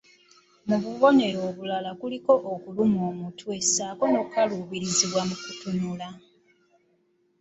Mu bubonero obulala kuliko okulumwa omutwe, ssaako okukaluubirizibwa mu kutunula